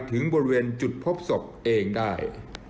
ถึงบริเวณจุดพบศพเองได้